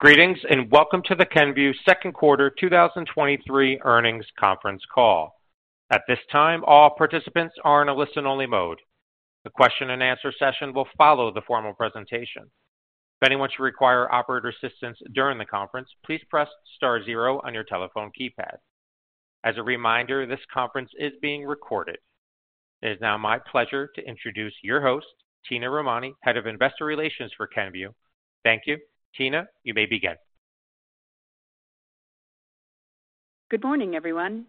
Greetings, welcome to the Kenvue Second Quarter 2023 Earnings Conference Call. At this time, all participants are in a listen-only mode. The question-and-answer session will follow the formal presentation. If anyone should require operator assistance during the conference, please press star zero on your telephone keypad. As a reminder, this conference is being recorded. It is now my pleasure to introduce your host, Tina Romani, Head of Investor Relations for Kenvue. Thank you. Tina, you may begin. Good morning, everyone.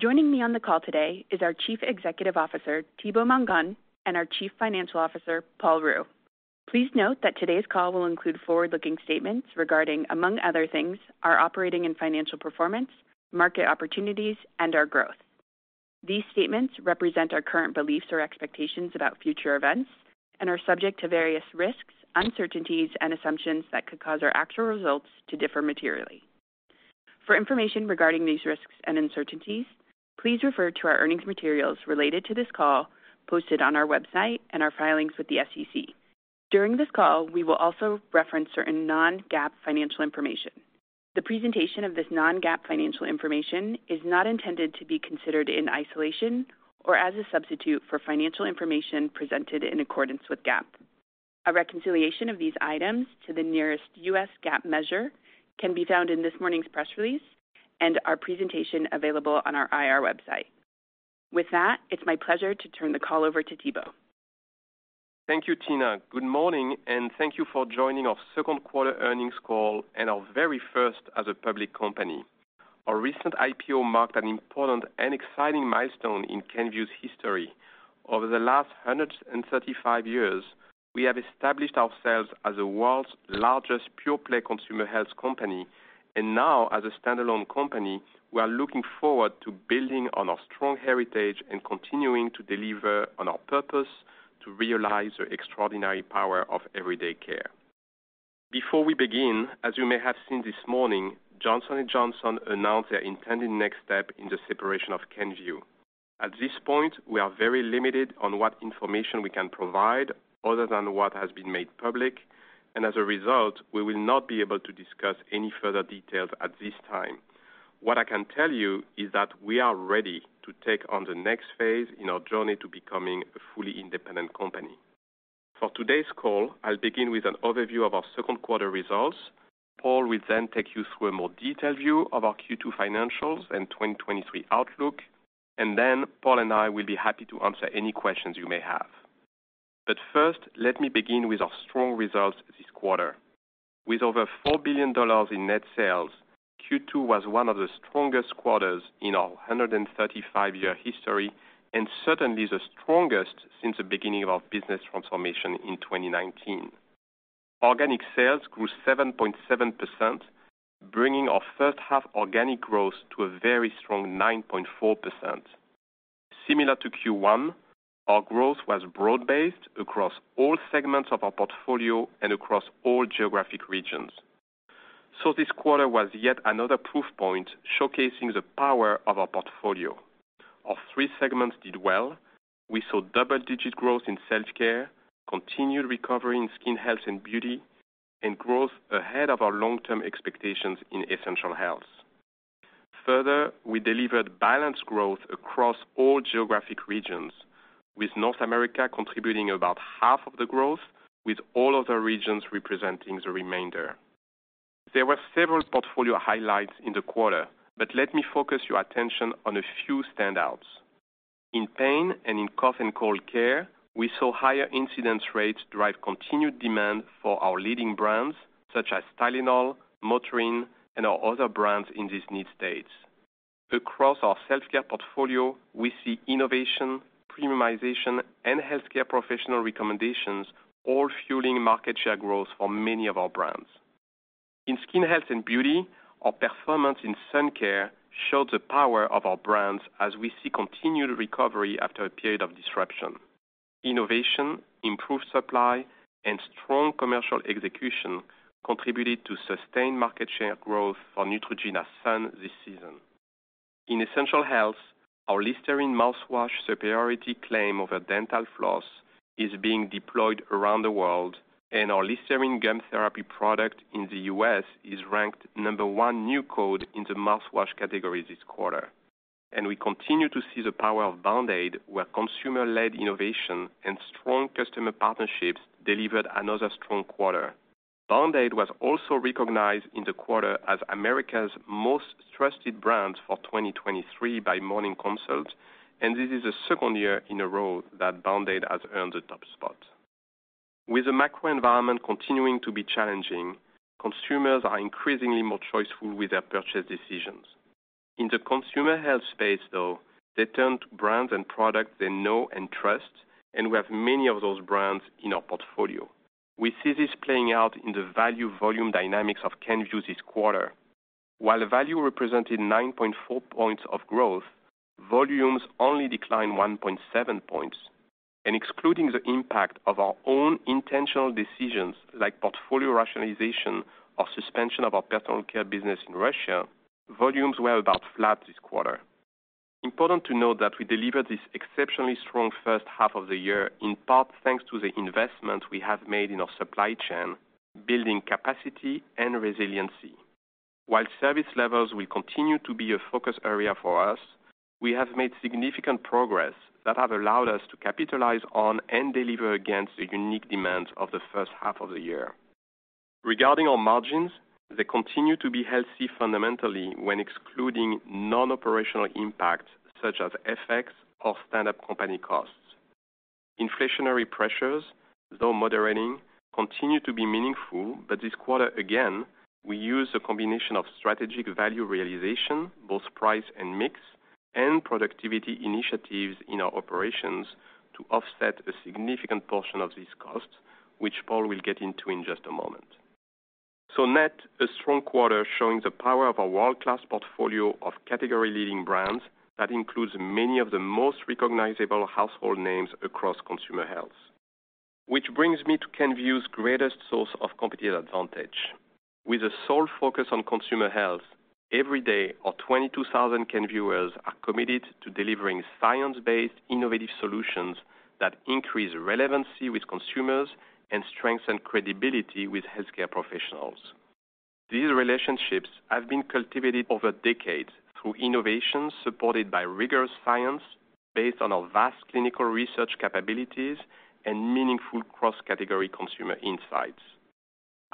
Joining me on the call today is our Chief Executive Officer, Thibaut Mongon, and our Chief Financial Officer, Paul Ruh. Please note that today's call will include forward-looking statements regarding, among other things, our operating and financial performance, market opportunities, and our growth. These statements represent our current beliefs or expectations about future events and are subject to various risks, uncertainties, and assumptions that could cause our actual results to differ materially. For information regarding these risks and uncertainties, please refer to our earnings materials related to this call, posted on our website and our filings with the SEC. During this call, we will also reference certain non-GAAP financial information. The presentation of this non-GAAP financial information is not intended to be considered in isolation or as a substitute for financial information presented in accordance with GAAP. A reconciliation of these items to the nearest U.S. GAAP measure can be found in this morning's press release and our presentation available on our IR website. With that, it's my pleasure to turn the call over to Thibaut. Thank you, Tina. Good morning, thank you for joining our second quarter earnings call and our very first as a public company. Our recent IPO marked an important and exciting milestone in Kenvue's history. Over the last 135 years, we have established ourselves as the world's largest pure-play consumer health company, and now, as a standalone company, we are looking forward to building on our strong heritage and continuing to deliver on our purpose to realize the extraordinary power of everyday care. Before we begin, as you may have seen this morning, Johnson & Johnson announced their intended next step in the separation of Kenvue. At this point, we are very limited on what information we can provide other than what has been made public, and as a result, we will not be able to discuss any further details at this time. What I can tell you is that we are ready to take on the next phase in our journey to becoming a fully independent company. For today's call, I'll begin with an overview of our second quarter results. Paul will then take you through a more detailed view of our Q2 financials and 2023 outlook. Paul and I will be happy to answer any questions you may have. First, let me begin with our strong results this quarter. With over $4 billion in net sales, Q2 was one of the strongest quarters in our 135-year history and certainly the strongest since the beginning of our business transformation in 2019. Organic sales grew 7.7%, bringing our first half organic growth to a very strong 9.4%. Similar to Q1, our growth was broad-based across all segments of our portfolio and across all geographic regions. This quarter was yet another proof point, showcasing the power of our portfolio. Our three segments did well. We saw double-digit growth in self-care, continued recovery in skin health and beauty, and growth ahead of our long-term expectations in essential health. We delivered balanced growth across all geographic regions, with North America contributing about half of the growth, with all other regions representing the remainder. There were several portfolio highlights in the quarter, let me focus your attention on a few standouts. In pain and in cough and cold care, we saw higher incidence rates drive continued demand for our leading brands, such as Tylenol, Motrin, and our other brands in these need states. Across our self-care portfolio, we see innovation, premiumization, and healthcare professional recommendations, all fueling market share growth for many of our brands. In skin health and beauty, our performance in sun care showed the power of our brands as we see continued recovery after a period of disruption. Innovation, improved supply, and strong commercial execution contributed to sustained market share growth for Neutrogena Sun this season. In essential health, our Listerine mouthwash superiority claim over dental floss is being deployed around the world, and our Listerine Gum Therapy product in the U.S. is ranked number one new code in the mouthwash category this quarter. We continue to see the power of Band-Aid, where consumer-led innovation and strong customer partnerships delivered another strong quarter. Band-Aid was also recognized in the quarter as America's Most Trusted Brand for 2023 by Morning Consult. This is the second year in a row that Band-Aid has earned the top spot. With the macro environment continuing to be challenging, consumers are increasingly more choiceful with their purchase decisions. In the consumer health space, though, they turn to brands and products they know and trust, and we have many of those brands in our portfolio. We see this playing out in the value volume dynamics of Kenvue this quarter. While the value represented 9.4 points of growth, volumes only declined 1.7 points. Excluding the impact of our own intentional decisions, like portfolio rationalization or suspension of our personal care business in Russia, volumes were about flat this quarter. Important to note that we delivered this exceptionally strong first half of the year, in part thanks to the investment we have made in our supply chain, building capacity and resiliency. While service levels will continue to be a focus area for us, we have made significant progress that have allowed us to capitalize on and deliver against the unique demands of the first half of the year. Regarding our margins, they continue to be healthy fundamentally when excluding non-operational impacts, such as effects of stand-up company costs. Inflationary pressures, though moderating, continue to be meaningful, but this quarter, again, we use a combination of strategic value realization, both price and mix, and productivity initiatives in our operations to offset a significant portion of these costs, which Paul will get into in just a moment. Net, a strong quarter showing the power of our world-class portfolio of category-leading brands that includes many of the most recognizable household names across consumer health. Which brings me to Kenvue's greatest source of competitive advantage. With a sole focus on consumer health, every day, our 22,000 Kenvuers are committed to delivering science-based, innovative solutions that increase relevancy with consumers and strengthen credibility with healthcare professionals. These relationships have been cultivated over decades through innovations supported by rigorous science based on our vast clinical research capabilities and meaningful cross-category consumer insights.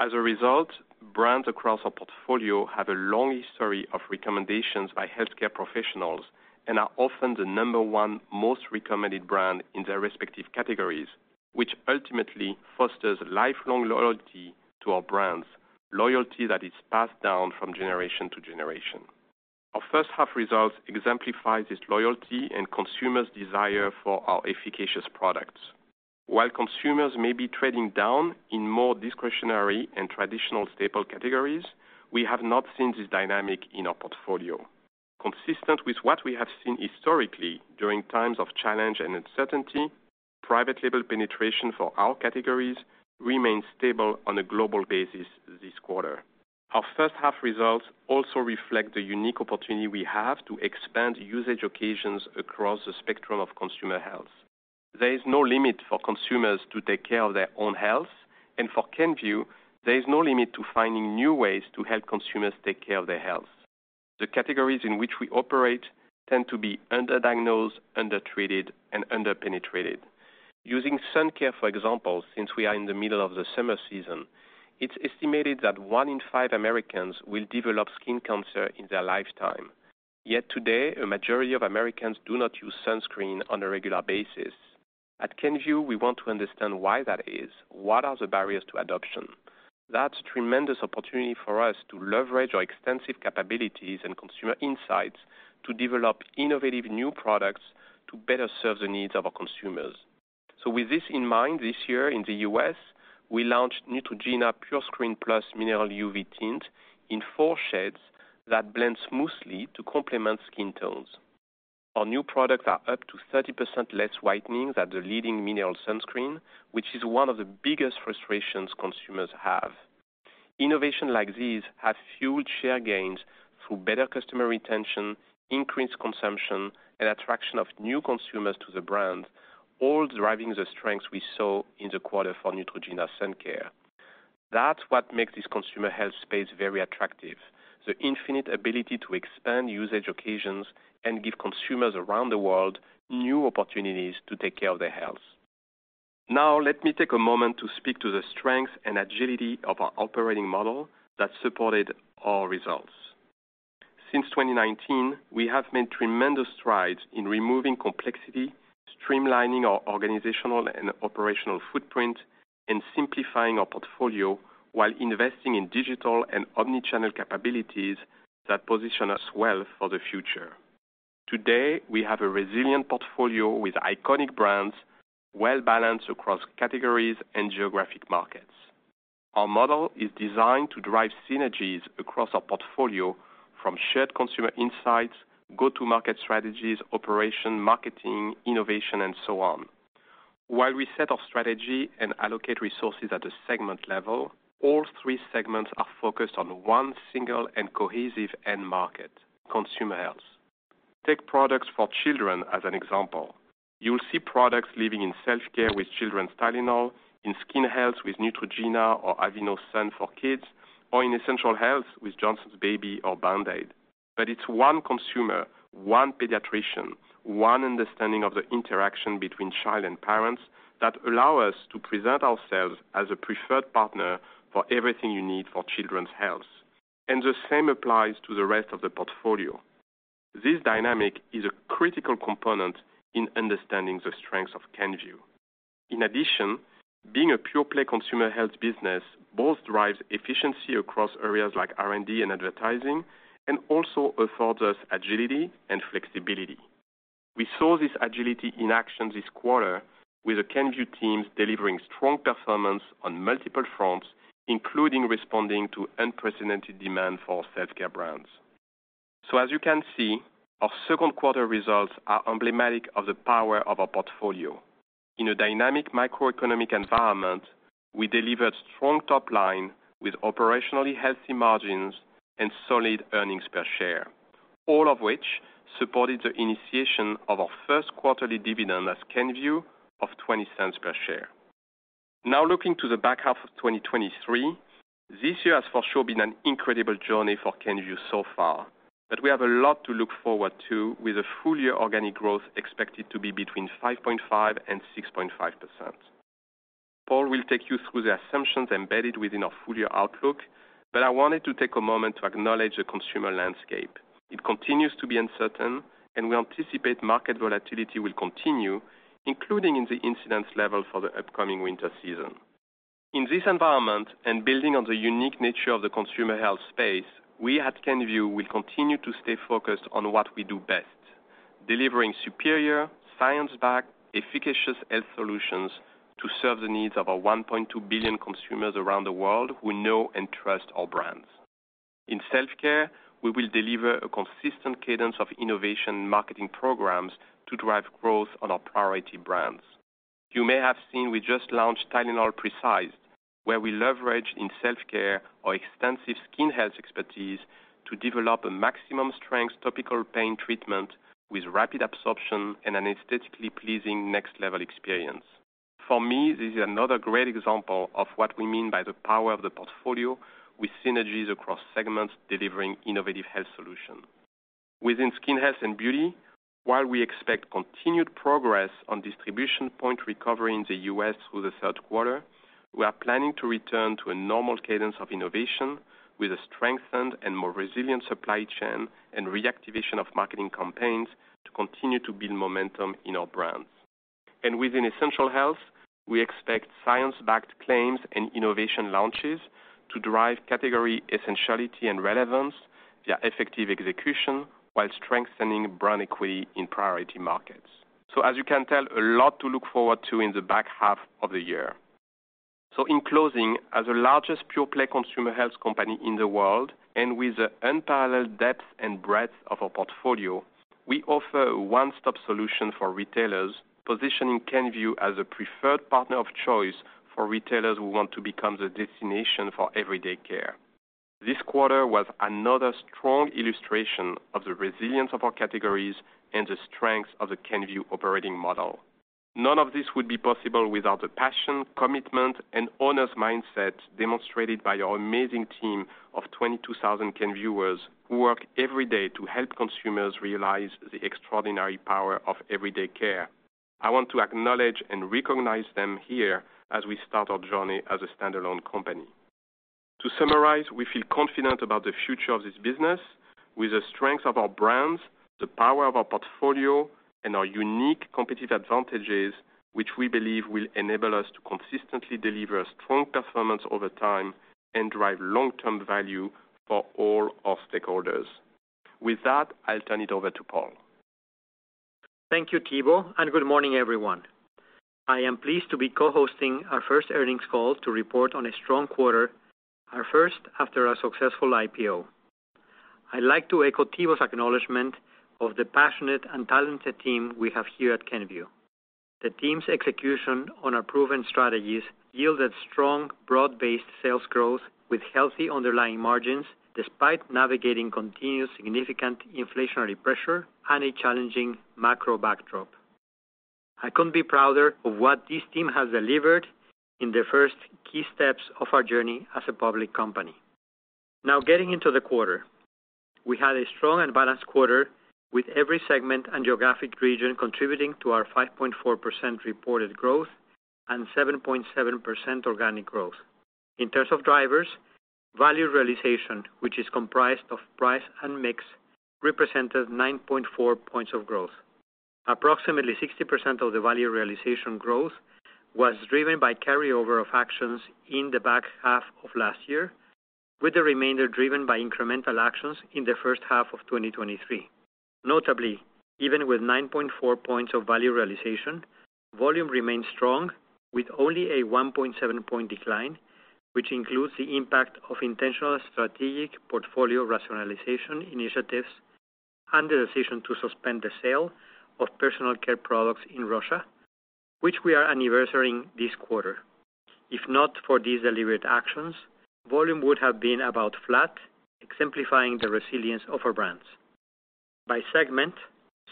As a result, brands across our portfolio have a long history of recommendations by healthcare professionals and are often the number one most recommended brand in their respective categories, which ultimately fosters lifelong loyalty to our brands, loyalty that is passed down from generation to generation. Our first half results exemplify this loyalty and consumers' desire for our efficacious products. While consumers may be trading down in more discretionary and traditional staple categories, we have not seen this dynamic in our portfolio. Consistent with what we have seen historically during times of challenge and uncertainty, private label penetration for our categories remains stable on a global basis this quarter. Our first half results also reflect the unique opportunity we have to expand usage occasions across the spectrum of consumer health. There is no limit for consumers to take care of their own health, and for Kenvue, there is no limit to finding new ways to help consumers take care of their health. The categories in which we operate tend to be underdiagnosed, undertreated, and underpenetrated. Using sun care, for example, since we are in the middle of the summer season, it's estimated that one in five Americans will develop skin cancer in their lifetime. Today, a majority of Americans do not use sunscreen on a regular basis. At Kenvue, we want to understand why that is. What are the barriers to adoption? That's tremendous opportunity for us to leverage our extensive capabilities and consumer insights to develop innovative new products to better serve the needs of our consumers. With this in mind, this year in the U.S., we launched Neutrogena Purescreen+ Mineral UV Tint in four shades that blend smoothly to complement skin tones. Our new products are up to 30% less whitening than the leading mineral sunscreen, which is one of the biggest frustrations consumers have. Innovation like these have fueled share gains through better customer retention, increased consumption, and attraction of new consumers to the brand, all driving the strengths we saw in the quarter for Neutrogena Sun Care. That's what makes this consumer health space very attractive, the infinite ability to expand usage occasions and give consumers around the world new opportunities to take care of their health. Let me take a moment to speak to the strength and agility of our operating model that supported our results. Since 2019, we have made tremendous strides in removing complexity, streamlining our organizational and operational footprint, and simplifying our portfolio while investing in digital and omni-channel capabilities that position us well for the future. Today, we have a resilient portfolio with iconic brands, well-balanced across categories and geographic markets. Our model is designed to drive synergies across our portfolio from shared consumer insights, go-to-market strategies, operation, marketing, innovation, and so on. While we set our strategy and allocate resources at a segment level, all three segments are focused on one single and cohesive end market: consumer health. Take products for children as an example. You'll see products living in self-care with Children's Tylenol, in skin health with Neutrogena or Aveeno Sun for kids, or in essential health with Johnson's Baby or Band-Aid. It's one consumer, one pediatrician, one understanding of the interaction between child and parents that allow us to present ourselves as a preferred partner for everything you need for children's health. The same applies to the rest of the portfolio. This dynamic is a critical component in understanding the strengths of Kenvue. In addition, being a pure-play consumer health business both drives efficiency across areas like R&D and advertising and also affords us agility and flexibility. We saw this agility in action this quarter with the Kenvue teams delivering strong performance on multiple fronts, including responding to unprecedented demand for self-care brands. As you can see, our second quarter results are emblematic of the power of our portfolio. In a dynamic macroeconomic environment, we delivered strong top line with operationally healthy margins and solid earnings per share, all of which supported the initiation of our first quarterly dividend as Kenvue of $0.20 per share. Looking to the back half of 2023, this year has for sure been an incredible journey for Kenvue so far. We have a lot to look forward to, with a full year organic growth expected to be between 5.5% and 6.5%. Paul will take you through the assumptions embedded within our full year outlook. I wanted to take a moment to acknowledge the consumer landscape. It continues to be uncertain. We anticipate market volatility will continue, including in the incidence level for the upcoming winter season. In this environment, building on the unique nature of the consumer health space, we at Kenvue will continue to stay focused on what we do best, delivering superior, science-backed, efficacious health solutions to serve the needs of our 1.2 billion consumers around the world who know and trust our brands. In self-care, we will deliver a consistent cadence of innovation marketing programs to drive growth on our priority brands. You may have seen, we just launched Tylenol Precise, where we leverage in self-care our extensive skin health expertise to develop a maximum strength topical pain treatment with rapid absorption and an aesthetically pleasing next-level experience. For me, this is another great example of what we mean by the power of the portfolio, with synergies across segments delivering innovative health solution. Within skin health and beauty, while we expect continued progress on distribution point recovery in the U.S. through the third quarter, we are planning to return to a normal cadence of innovation with a strengthened and more resilient supply chain and reactivation of marketing campaigns to continue to build momentum in our brands. Within essential health, we expect science-backed claims and innovation launches to drive category essentiality and relevance via effective execution, while strengthening brand equity in priority markets. As you can tell, a lot to look forward to in the back half of the year. In closing, as the largest pure-play consumer health company in the world, and with the unparalleled depth and breadth of our portfolio, we offer a one-stop solution for retailers, positioning Kenvue as a preferred partner of choice for retailers who want to become the destination for everyday care. This quarter was another strong illustration of the resilience of our categories and the strength of the Kenvue operating model. None of this would be possible without the passion, commitment, and owner's mindset demonstrated by our amazing team of 22,000 Kenvuers, who work every day to help consumers realize the extraordinary power of everyday care. I want to acknowledge and recognize them here as we start our journey as a standalone company. To summarize, we feel confident about the future of this business. With the strength of our brands, the power of our portfolio, and our unique competitive advantages, which we believe will enable us to consistently deliver strong performance over time and drive long-term value for all our stakeholders. With that, I'll turn it over to Paul. Thank you, Thibaut, and good morning, everyone. I am pleased to be co-hosting our first earnings call to report on a strong quarter, our first after our successful IPO. I'd like to echo Thibaut's acknowledgment of the passionate and talented team we have here at Kenvue. The team's execution on our proven strategies yielded strong, broad-based sales growth with healthy underlying margins, despite navigating continued significant inflationary pressure and a challenging macro backdrop. I couldn't be prouder of what this team has delivered in the first key steps of our journey as a public company. Now, getting into the quarter. We had a strong and balanced quarter with every segment and geographic region contributing to our 5.4% reported growth and 7.7% organic growth. In terms of drivers, value realization, which is comprised of price and mix, represented 9.4 points of growth. Approximately 60% of the value realization growth was driven by carryover of actions in the back half of last year, with the remainder driven by incremental actions in the first half of 2023. Notably, even with 9.4 points of value realization, volume remained strong, with only a 1.7 point decline, which includes the impact of intentional strategic portfolio rationalization initiatives and the decision to suspend the sale of personal care products in Russia, which we are anniversarying this quarter. If not for these deliberate actions, volume would have been about flat, exemplifying the resilience of our brands. By segment,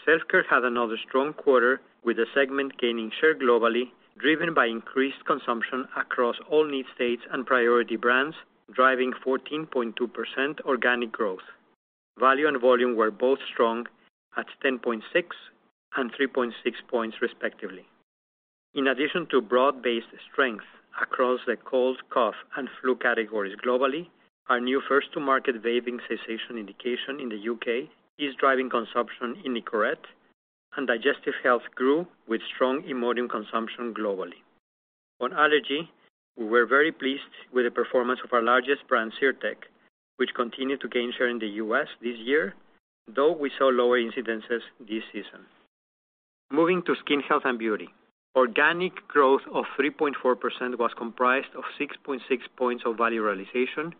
self-care had another strong quarter, with the segment gaining share globally, driven by increased consumption across all need states and priority brands, driving 14.2% organic growth. Value and volume were both strong, at 10.6 and 3.6 points respectively. In addition to broad-based strength across the cold, cough, and flu categories globally, our new first-to-market vaping cessation indication in the U.K. is driving consumption in Nicorette, and digestive health grew with strong Imodium consumption globally. On allergy, we were very pleased with the performance of our largest brand, Zyrtec, which continued to gain share in the U.S. this year, though we saw lower incidences this season. Moving to skin health and beauty. Organic growth of 3.4% was comprised of 6.6 points of value realization,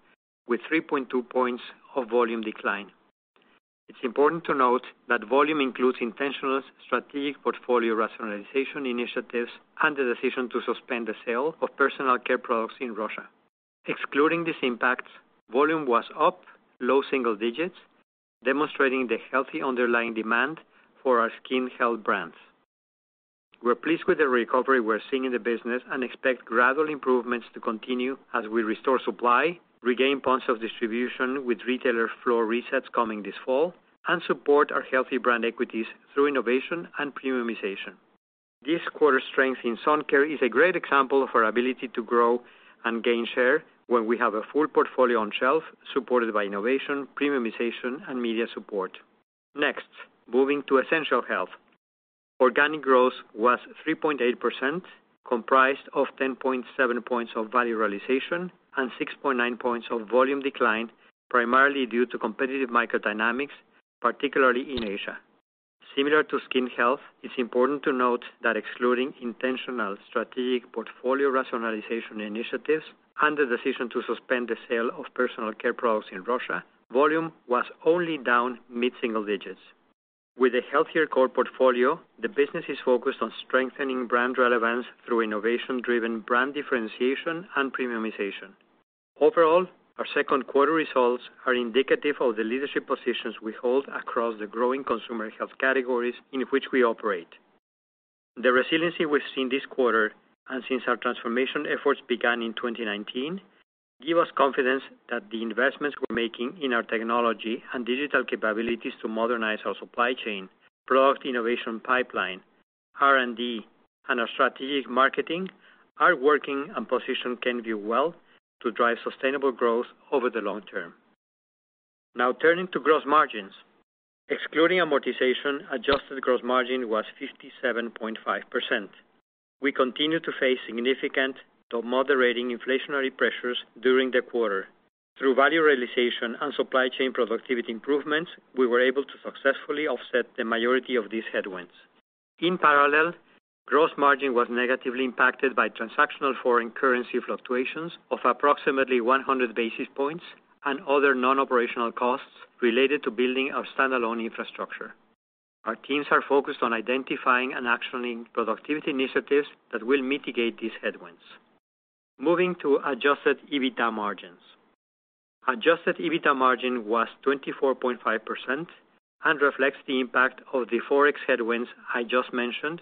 with 3.2 points of volume decline. It's important to note that volume includes intentional strategic portfolio rationalization initiatives and the decision to suspend the sale of personal care products in Russia. Excluding this impact, volume was up low single digits, demonstrating the healthy underlying demand for our skin health brands. We're pleased with the recovery we're seeing in the business, expect gradual improvements to continue as we restore supply, regain points of distribution with retailer floor resets coming this fall, and support our healthy brand equities through innovation and premiumization. This quarter's strength in sun care is a great example of our ability to grow and gain share when we have a full portfolio on shelf, supported by innovation, premiumization, and media support. Moving to essential health. Organic growth was 3.8%, comprised of 10.7 points of value realization and 6.9 points of volume decline, primarily due to competitive microdynamics, particularly in Asia. Similar to skin health, it's important to note that excluding intentional strategic portfolio rationalization initiatives and the decision to suspend the sale of personal care products in Russia, volume was only down mid-single digits. With a healthier core portfolio, the business is focused on strengthening brand relevance through innovation-driven brand differentiation and premiumization. Our second quarter results are indicative of the leadership positions we hold across the growing consumer health categories in which we operate. The resiliency we've seen this quarter, and since our transformation efforts began in 2019, give us confidence that the investments we're making in our technology and digital capabilities to modernize our supply chain, product innovation pipeline, R&D, and our strategic marketing are working and position Kenvue well to drive sustainable growth over the long term. Turning to gross margins. Excluding amortization, adjusted gross margin was 57.5%. We continue to face significant though moderating inflationary pressures during the quarter. Through value realization and supply chain productivity improvements, we were able to successfully offset the majority of these headwinds. In parallel, gross margin was negatively impacted by transactional foreign currency fluctuations of approximately 100 basis points and other non-operational costs related to building our standalone infrastructure. Our teams are focused on identifying and actioning productivity initiatives that will mitigate these headwinds. Moving to adjusted EBITDA margins. Adjusted EBITDA margin was 24.5% and reflects the impact of the Forex headwinds I just mentioned,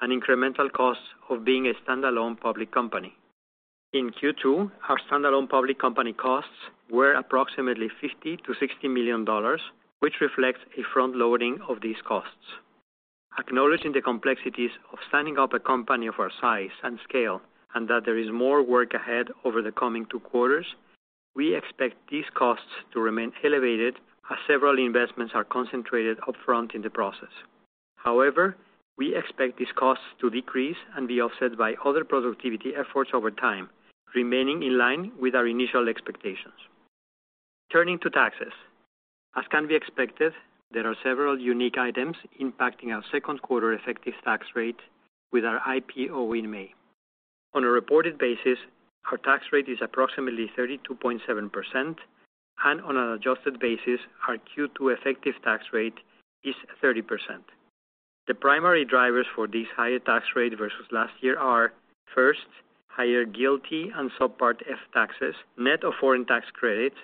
and incremental costs of being a standalone public company. In Q2, our standalone public company costs were approximately $50 million-$60 million, which reflects a front-loading of these costs. Acknowledging the complexities of standing up a company of our size and scale, and that there is more work ahead over the coming two quarters, we expect these costs to remain elevated as several investments are concentrated upfront in the process. However, we expect these costs to decrease and be offset by other productivity efforts over time, remaining in line with our initial expectations. Turning to taxes. As can be expected, there are several unique items impacting our second quarter effective tax rate with our IPO in May. On a reported basis, our tax rate is approximately 32.7%, and on an adjusted basis, our Q2 effective tax rate is 30%. The primary drivers for this higher tax rate versus last year are, first, higher GILTI and Subpart F taxes, net of foreign tax credits,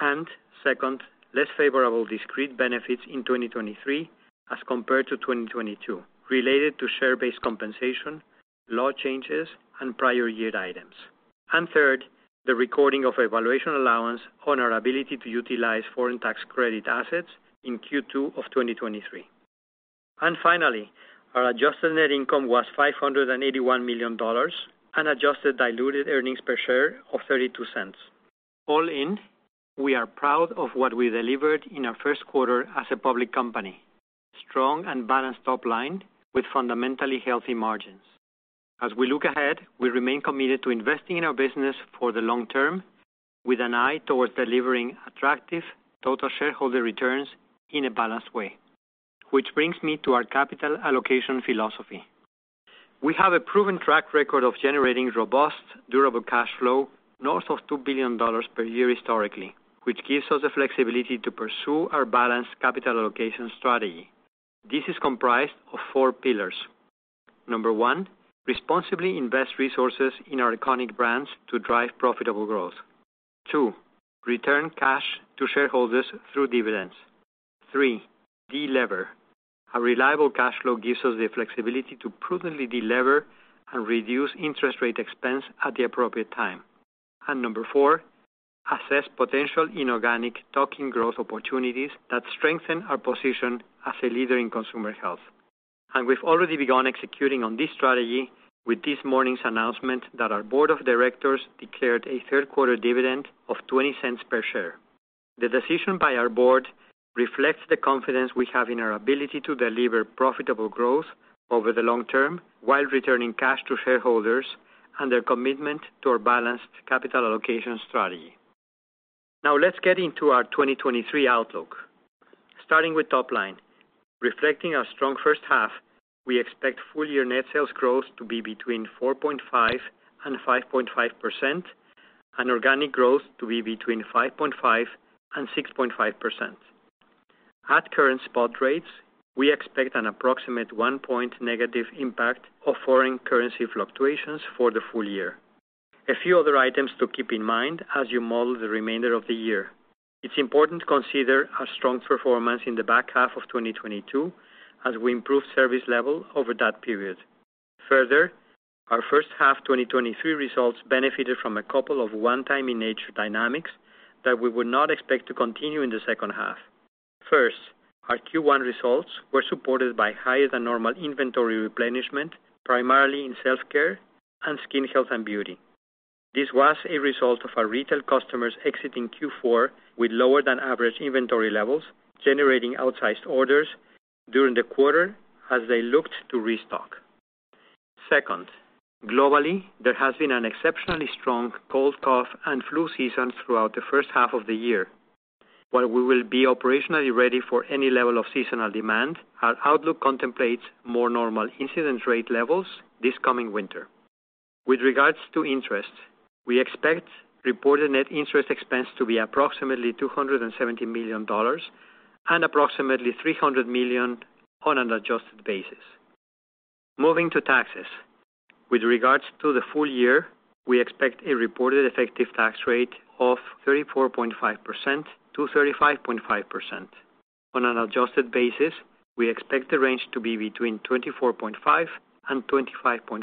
and second, less favorable discrete benefits in 2023 as compared to 2022, related to share-based compensation, law changes, and prior year items. Third, the recording of a valuation allowance on our ability to utilize foreign tax credit assets in Q2 of 2023. Finally, our adjusted net income was $581 million, and adjusted diluted earnings per share of $0.32. All in, we are proud of what we delivered in our first quarter as a public company. Strong and balanced top line with fundamentally healthy margins. As we look ahead, we remain committed to investing in our business for the long term, with an eye towards delivering attractive total shareholder returns in a balanced way, which brings me to our capital allocation philosophy. We have a proven track record of generating robust, durable cash flow, north of $2 billion per year historically, which gives us the flexibility to pursue our balanced capital allocation strategy. This is comprised of four pillars. Number one, responsibly invest resources in our iconic brands to drive profitable growth. Two, return cash to shareholders through dividends. Three, de-lever. Our reliable cash flow gives us the flexibility to prudently de-lever and reduce interest rate expense at the appropriate time. Number four, assess potential inorganic talking growth opportunities that strengthen our position as a leader in consumer health. We've already begun executing on this strategy with this morning's announcement that our board of directors declared a third quarter dividend of $0.20 per share. The decision by our board reflects the confidence we have in our ability to deliver profitable growth over the long term, while returning cash to shareholders and their commitment to our balanced capital allocation strategy. Let's get into our 2023 outlook. Starting with top line. Reflecting our strong first half, we expect full year net sales growth to be between 4.5% and 5.5% and organic growth to be between 5.5% and 6.5%. At current spot rates, we expect an approximate one point negative impact of foreign currency fluctuations for the full year. A few other items to keep in mind as you model the remainder of the year. It's important to consider our strong performance in the back half of 2022, as we improved service level over that period. Further, our first half 2023 results benefited from a couple of one-time in nature dynamics that we would not expect to continue in the second half. First, our Q1 results were supported by higher than normal inventory replenishment, primarily in self-care and skin health and beauty. This was a result of our retail customers exiting Q4 with lower than average inventory levels, generating outsized orders during the quarter as they looked to restock. Globally, there has been an exceptionally strong cold, cough, and flu season throughout the first half of the year. While we will be operationally ready for any level of seasonal demand, our outlook contemplates more normal incident rate levels this coming winter. With regards to interest, we expect reported net interest expense to be approximately $270 million and approximately $300 million on an adjusted basis. Moving to taxes. With regards to the full year, we expect a reported effective tax rate of 34.5%-35.5%. On an adjusted basis, we expect the range to be between 24.5% and 25.5%.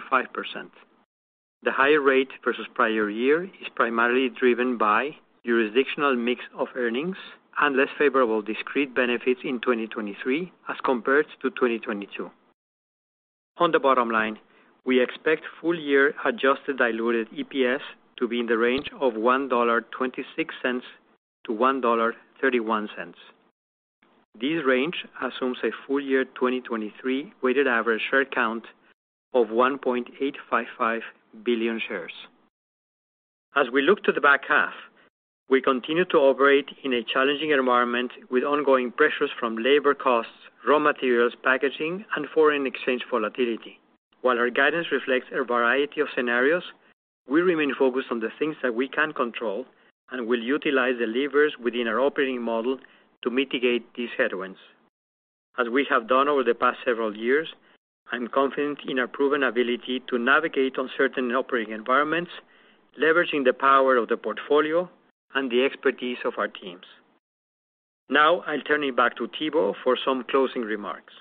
The higher rate versus prior year is primarily driven by jurisdictional mix of earnings and less favorable discrete benefits in 2023 as compared to 2022. On the bottom line, we expect full year adjusted diluted EPS to be in the range of $1.26-$1.31. This range assumes a full year 2023 weighted average share count of 1.855 billion shares. As we look to the back half, we continue to operate in a challenging environment with ongoing pressures from labor costs, raw materials, packaging, and foreign exchange volatility. While our guidance reflects a variety of scenarios, we remain focused on the things that we can control and will utilize the levers within our operating model to mitigate these headwinds. As we have done over the past several years, I'm confident in our proven ability to navigate uncertain operating environments, leveraging the power of the portfolio and the expertise of our teams. Now I'll turn it back to Thibaut for some closing remarks.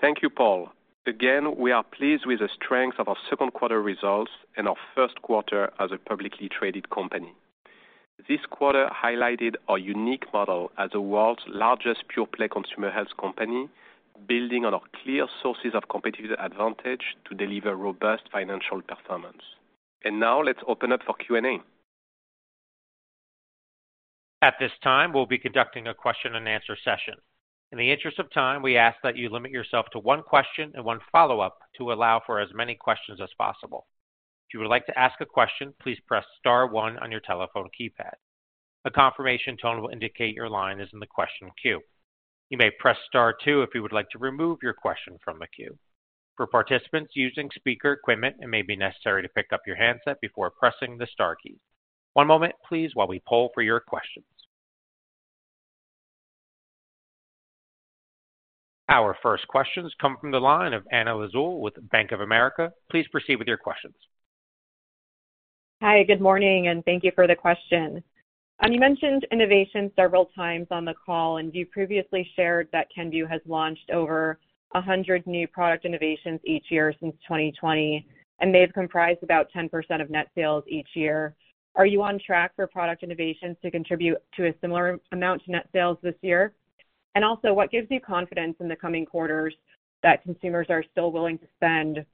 Thank you, Paul. Again, we are pleased with the strength of our second quarter results and our first quarter as a publicly traded company. This quarter highlighted our unique model as the world's largest pure-play consumer health company, building on our clear sources of competitive advantage to deliver robust financial performance. Now let's open up for Q&A. At this time, we'll be conducting a question-and-answer session. In the interest of time, we ask that you limit yourself to one question and one follow-up to allow for as many questions as possible. If you would like to ask a question, please press star one on your telephone keypad. A confirmation tone will indicate your line is in the question queue. You may press star two if you would like to remove your question from the queue. For participants using speaker equipment, it may be necessary to pick up your handset before pressing the star key. One moment, please while we poll for your questions. Our first questions come from the line of Anna Lizzul with Bank of America. Please proceed with your questions. Hi, good morning, and thank you for the question. You mentioned innovation several times on the call, and you previously shared that Kenvue has launched over 100 new product innovations each year since 2020, and they've comprised about 10% of net sales each year. Are you on track for product innovations to contribute to a similar amount to net sales this year? Also, what gives you confidence in the coming quarters that consumers are still willing to spend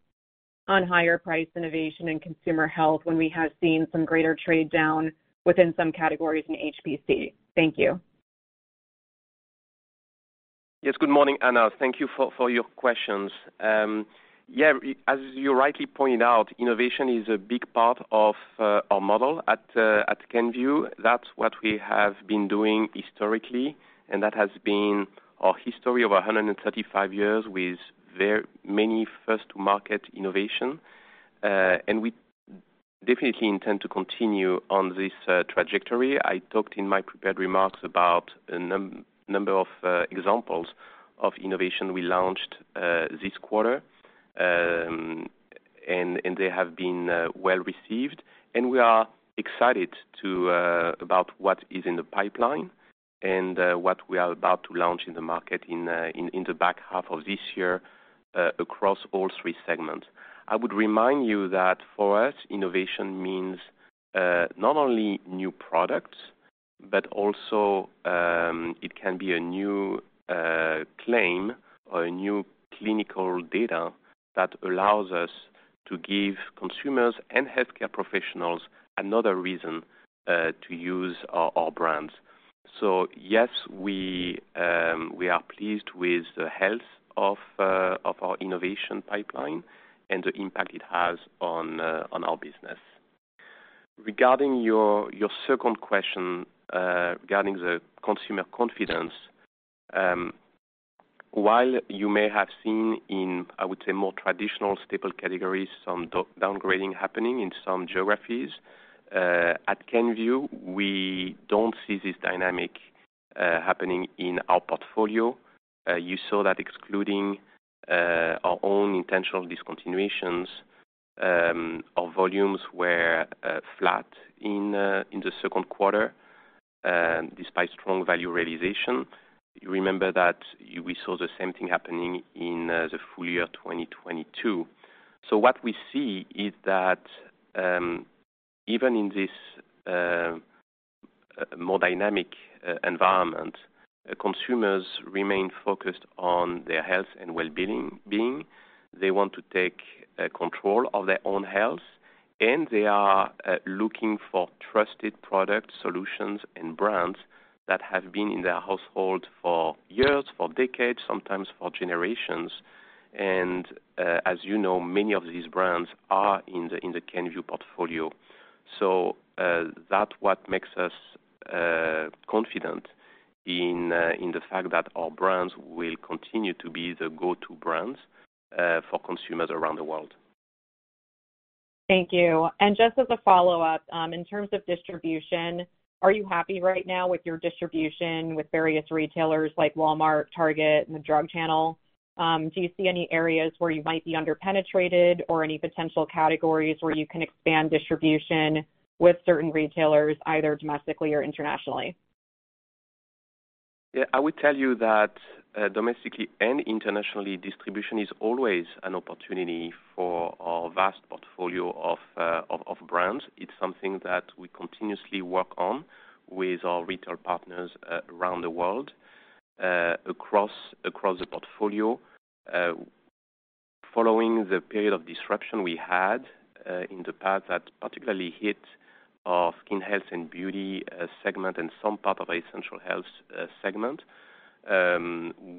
on higher-priced innovation and consumer health when we have seen some greater trade down within some categories in HPC? Thank you. Yes, good morning, Anna. Thank you for your questions. Yeah, as you rightly pointed out, innovation is a big part of our model at Kenvue. That's what we have been doing historically, and that has been our history of 135 years with very many first-to-market innovation, and we definitely intend to continue on this trajectory. I talked in my prepared remarks about a number of examples of innovation we launched this quarter, and they have been well-received, and we are excited about what is in the pipeline and what we are about to launch in the market in the back half of this year across all three segments. I would remind you that for us, innovation means not only new products, but also, it can be a new claim or a new clinical data that allows us to give consumers and healthcare professionals another reason to use our brands. Yes, we are pleased with the health of our innovation pipeline and the impact it has on our business. Regarding your second question, regarding the consumer confidence. While you may have seen in, I would say, more traditional staple categories, some downgrading happening in some geographies, at Kenvue, we don't see this dynamic happening in our portfolio. You saw that excluding our own intentional discontinuations, our volumes were flat in the second quarter, despite strong value realization. You remember that we saw the same thing happening in the full year, 2022. What we see is that even in this more dynamic environment, consumers remain focused on their health and well-being. They want to take control of their own health, and they are looking for trusted products, solutions, and brands that have been in their household for years, for decades, sometimes for generations. As you know, many of these brands are in the Kenvue portfolio. That what makes us confident in the fact that our brands will continue to be the go-to brands for consumers around the world. Thank you. Just as a follow-up, in terms of distribution, are you happy right now with your distribution with various retailers like Walmart, Target, and the drug channel? Do you see any areas where you might be under-penetrated or any potential categories where you can expand distribution with certain retailers, either domestically or internationally? I would tell you that, domestically and internationally, distribution is always an opportunity for our vast portfolio of brands. It's something that we continuously work on with our retail partners, around the world, across the portfolio. Following the period of disruption we had, in the past, that particularly hit our skin health and beauty segment and some part of our essential health segment.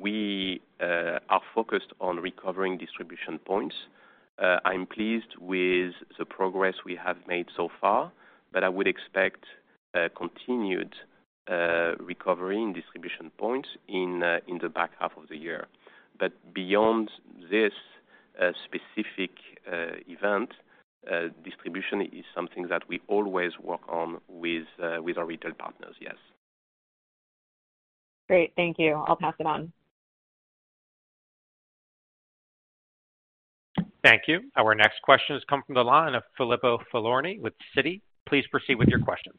We are focused on recovering distribution points. I'm pleased with the progress we have made so far, but I would expect continued recovery in distribution points in the back half of the year. Beyond this, specific event, distribution is something that we always work on with our retail partners. Yes. Great. Thank you. I'll pass it on. Thank you. Our next question has come from the line of Filippo Falorni with Citi. Please proceed with your questions.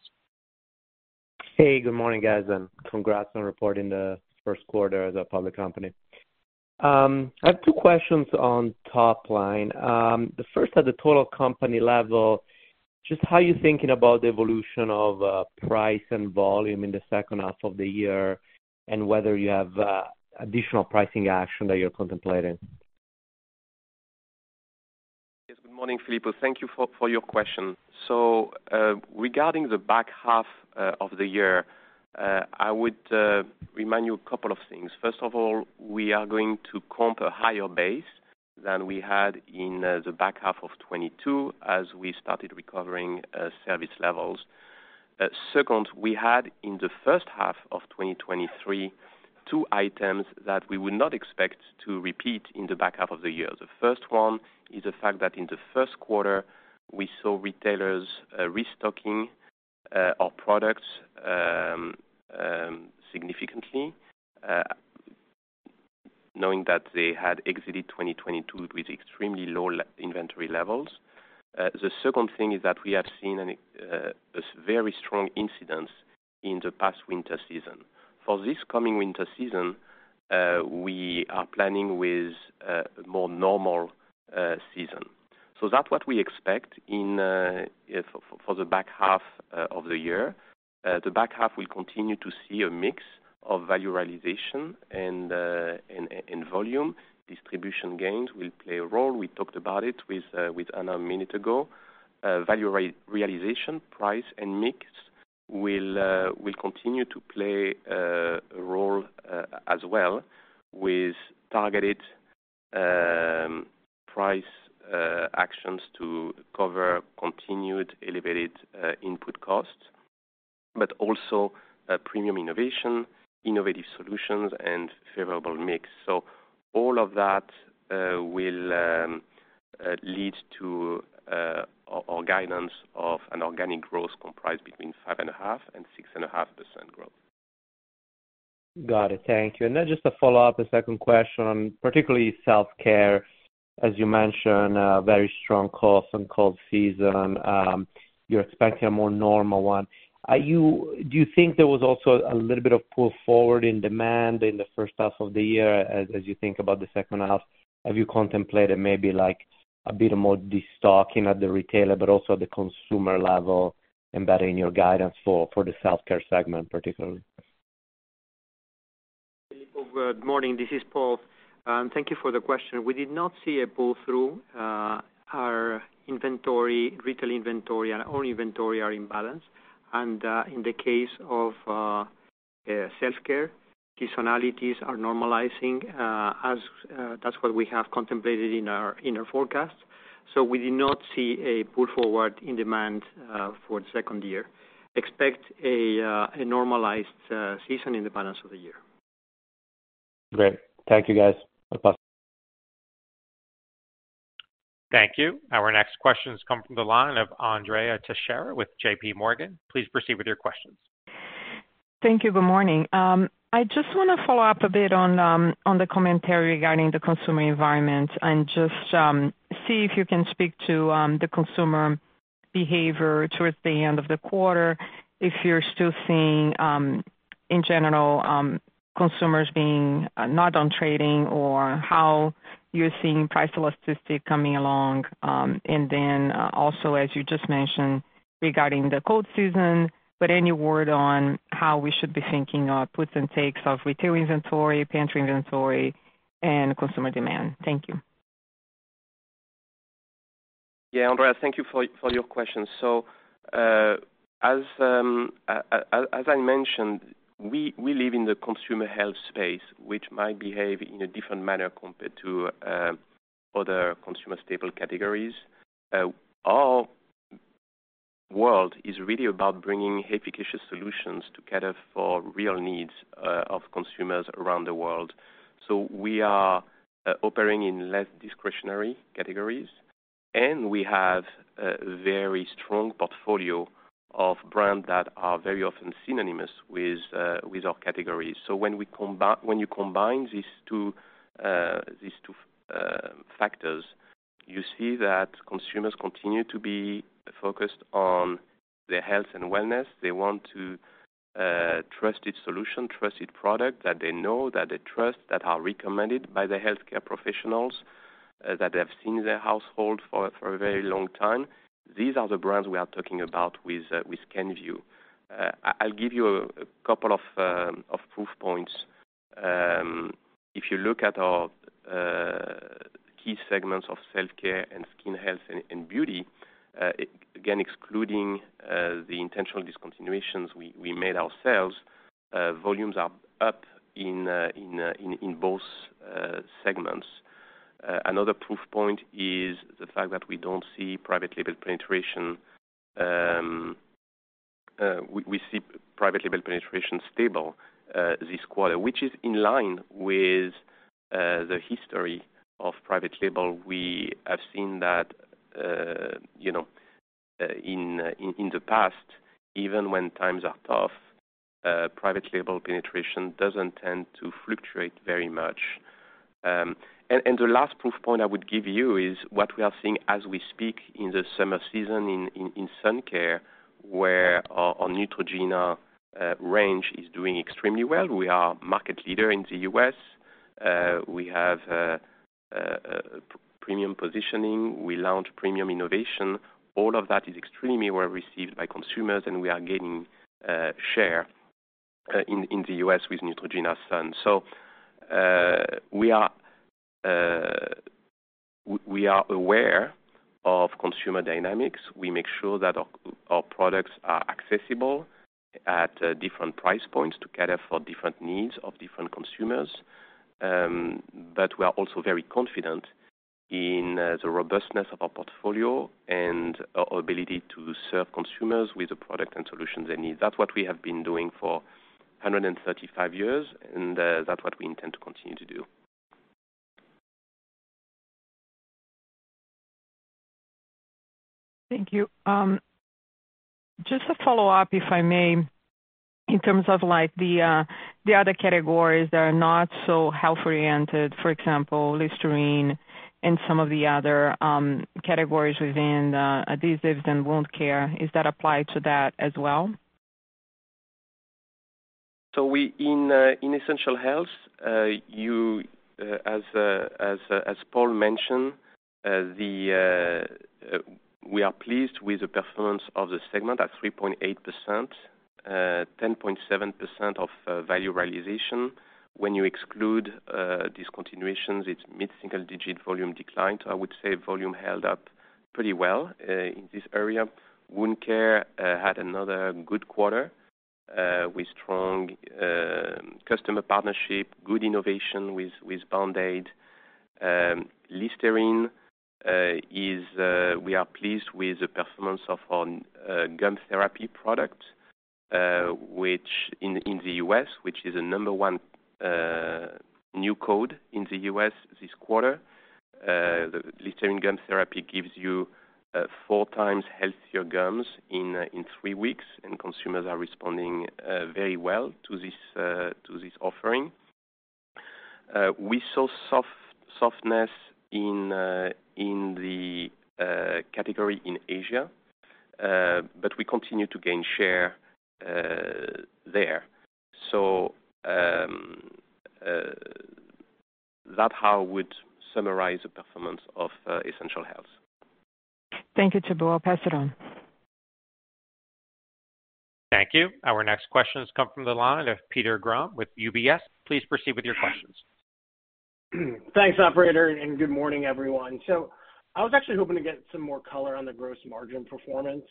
Hey, good morning, guys, and congrats on reporting the first quarter as a public company. I have two questions on top line. The first, at the total company level, just how are you thinking about the evolution of price and volume in the second half of the year, and whether you have additional pricing action that you're contemplating? Yes, good morning, Filippo. Thank you for your question. Regarding the back half of the year, I would remind you a couple of things. First of all, we are going to comp a higher base than we had in the back half of 2022 as we started recovering service levels. Second, we had in the first half of 2023, two items that we would not expect to repeat in the back half of the year. The first one is the fact that in the first quarter, we saw retailers restocking our products significantly, knowing that they had exited 2022 with extremely low inventory levels. The second thing is that we have seen a very strong incidence in the past winter season. For this coming winter season, we are planning with a more normal season. That's what we expect in for the back half of the year. The back half will continue to see a mix of value realization and volume. Distribution gains will play a role. We talked about it with Anna a minute ago. Value realization, price, and mix will continue to play a role as well, with targeted price actions to cover continued elevated input costs, but also premium innovation, innovative solutions, and favorable mix. All of that will lead to our guidance of an organic growth comprised between 5.5% and 6.5% growth. Got it. Thank you. Just to follow up, a second question on particularly self-care. You're expecting a more normal one. Do you think there was also a little bit of pull forward in demand in the first half of the year as you think about the second half? Have you contemplated maybe like a bit of more destocking at the retailer, but also the consumer level, embedding your guidance for the self-care segment, particularly? Filippo, good morning, this is Paul. Thank you for the question. We did not see a pull-through. Our inventory, retail inventory and our own inventory are in balance, and, in the case of self-care, seasonalities are normalizing, as that's what we have contemplated in our, in our forecast. We did not see a pull forward in demand for the second year. Expect a normalized season in the balance of the year. Great. Thank you, guys. I'll pass it on. Thank you. Our next question has come from the line of Andrea Teixeira with JPMorgan. Please proceed with your questions. Thank you. Good morning. I just want to follow up a bit on on the commentary regarding the consumer environment and just see if you can speak to the consumer behavior towards the end of the quarter, if you're still seeing in general, consumers being not on trading or how you're seeing price elasticity coming along. Also, as you just mentioned, regarding the cold season, but any word on how we should be thinking of puts and takes of retail inventory, pantry inventory, and consumer demand? Thank you. Yeah, Andrea, thank you for your question. As I mentioned, we live in the consumer health space, which might behave in a different manner compared to other consumer staple categories. Our world is really about bringing efficacious solutions together for real needs of consumers around the world. We are operating in less discretionary categories, and we have a very strong portfolio of brands that are very often synonymous with our categories. When you combine these two, these two factors, you see that consumers continue to be focused on their health and wellness. They want a trusted solution, trusted product, that they know, that they trust, that are recommended by the healthcare professionals, that they have seen in their household for a very long time. These are the brands we are talking about with Kenvue. I'll give you a couple of proof points. If you look at our key segments of self-care and skin health and beauty, again, excluding the intentional discontinuations we made ourselves, volumes are up in both segments. Another proof point is the fact that we don't see private label penetration. We see private label penetration stable this quarter, which is in line with the history of private label. We have seen that, you know, in the past, even when times are tough, private label penetration doesn't tend to fluctuate very much. The last proof point I would give you is what we are seeing as we speak in the summer season in sun care, where our Neutrogena range is doing extremely well. We are market leader in the U.S. We have a premium positioning. We launched premium innovation. All of that is extremely well received by consumers, and we are gaining share in the U.S. with Neutrogena Sun. We are aware of consumer dynamics. We make sure that our products are accessible at different price points to cater for different needs of different consumers. We are also very confident in the robustness of our portfolio and our ability to serve consumers with the product and solutions they need. That's what we have been doing for 135 years and that's what we intend to continue to do. Thank you. Just a follow-up, if I may, in terms of, like, the other categories that are not so health-oriented, for example, Listerine and some of the other categories within adhesives and wound care. Is that applied to that as well? We in essential health, you as Paul mentioned, we are pleased with the performance of the segment at 3.8%, 10.7% of value realization. When you exclude discontinuations, it's mid-single digit volume decline. I would say volume held up pretty well in this area. Wound care had another good quarter with strong customer partnership, good innovation with Band-Aid. Listerine is we are pleased with the performance of our Listerine Gum Therapy product, which in the U.S., which is a number one new code in the U.S. this quarter. The Listerine Gum Therapy gives you 4x healthier gums in three weeks, and consumers are responding very well to this to this offering. We saw softness in the category in Asia, but we continue to gain share there. That how I would summarize the performance of essential health. Thank you, Thibaut. I'll pass it on. Thank you. Our next question has come from the line of Peter Grom with UBS. Please proceed with your questions. Thanks, operator, and good morning, everyone. I was actually hoping to get some more color on the gross margin performance.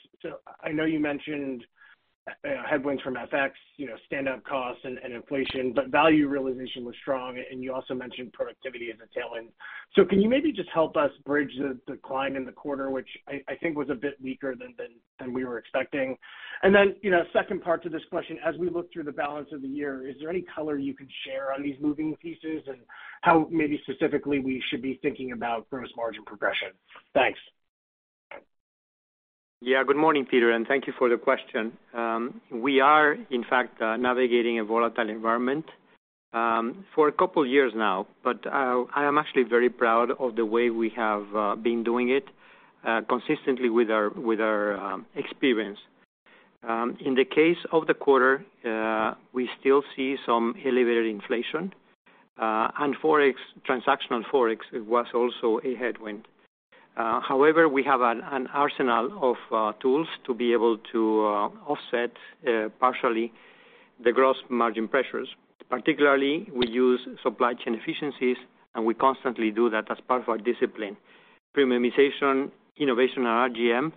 I know you mentioned headwinds from FX, you know, stand up costs and inflation, but value realization was strong, and you also mentioned productivity as a tailwind. Can you maybe just help us bridge the decline in the quarter, which I think was a bit weaker than we were expecting? You know, second part to this question, as we look through the balance of the year, is there any color you can share on these moving pieces and how maybe specifically we should be thinking about gross margin progression? Thanks. Yeah, good morning, Peter, and thank you for the question. We are in fact navigating a volatile environment for a couple years now, but I am actually very proud of the way we have been doing it consistently with our experience. In the case of the quarter, we still see some elevated inflation, and Forex, transactional Forex was also a headwind. However, we have an arsenal of tools to be able to offset partially the gross margin pressures. Particularly, we use supply chain efficiencies, and we constantly do that as part of our discipline. Premiumization, innovation, and RGM,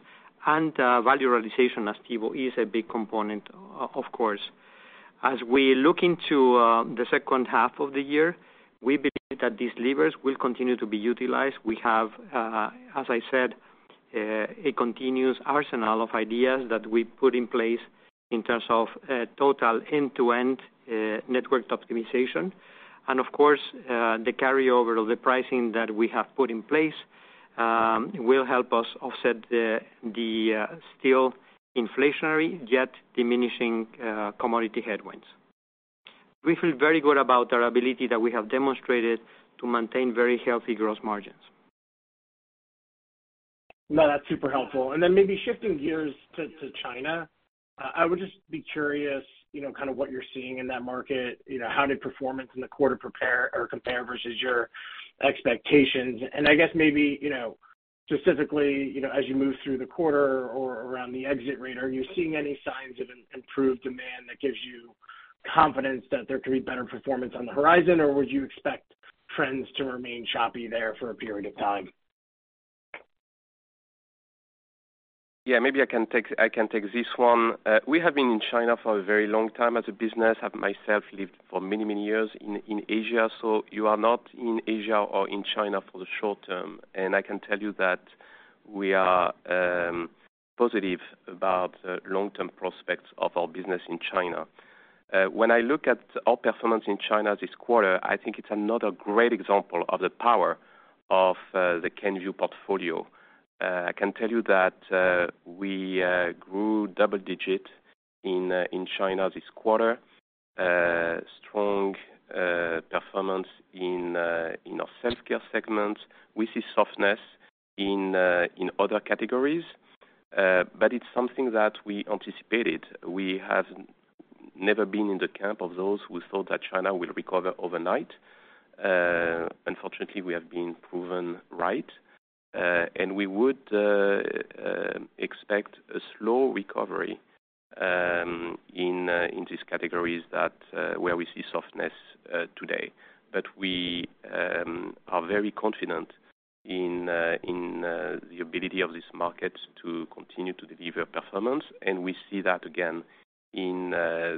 and value realization as Thibaut is a big component, of course. As we look into the second half of the year, we believe that these levers will continue to be utilized. We have, as I said, a continuous arsenal of ideas that we put in place in terms of total end-to-end networked optimization. Of course, the carryover of the pricing that we have put in place, will help us offset the still inflationary, yet diminishing commodity headwinds. We feel very good about our ability that we have demonstrated to maintain very healthy gross margins. That's super helpful. Maybe shifting gears to China. I would just be curious, you know, kind of what you're seeing in that market, you know, how did performance in the quarter prepare or compare versus your expectations? I guess maybe, you know, specifically, you know, as you move through the quarter or around the exit rate, are you seeing any signs of an improved demand that gives you confidence that there could be better performance on the horizon? Would you expect trends to remain choppy there for a period of time? Yeah, maybe I can take this one. We have been in China for a very long time as a business. I, myself, lived for many, many years in Asia, so you are not in Asia or in China for the short term. I can tell you that we are positive about the long-term prospects of our business in China. When I look at our performance in China this quarter, I think it's another great example of the power of the Kenvue portfolio. I can tell you that we grew double digit in China this quarter. Strong performance in our self-care segment. We see softness in other categories, but it's something that we anticipated. We have never been in the camp of those who thought that China will recover overnight. Unfortunately, we have been proven right, and we would expect a slow recovery in these categories that where we see softness today. We are very confident in the ability of this market to continue to deliver performance, and we see that again in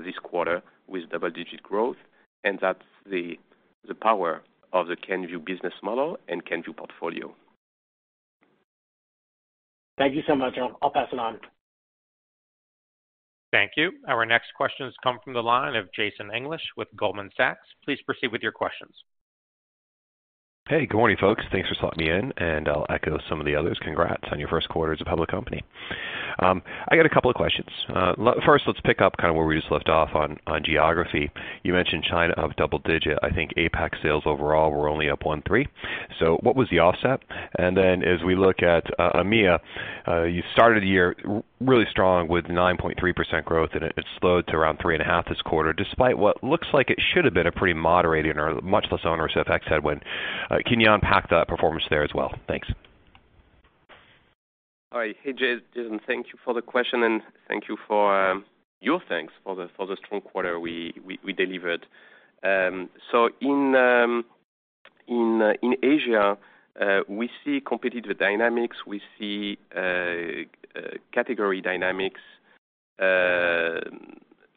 this quarter with double-digit growth, and that's the power of the Kenvue business model and Kenvue portfolio. Thank you so much. I'll pass it on. Thank you. Our next question has come from the line of Jason English with Goldman Sachs. Please proceed with your questions. Hey, good morning, folks. Thanks for slotting me in, I'll echo some of the others. Congrats on your first quarter as a public company. I got a couple of questions. First, let's pick up kind of where we just left off on geography. You mentioned China of double-digit. I think APAC sales overall were only up 1.3%. What was the offset? As we look at EMEA, you started the year really strong with 9.3% growth, and it slowed to around 3.5% this quarter, despite what looks like it should have been a pretty moderating or much less onerous effect headwind. Can you unpack the performance there as well? Thanks. All right. Hey, Jason, thank you for the question, and thank you for your thanks for the strong quarter we delivered. In Asia, we see competitive dynamics. We see category dynamics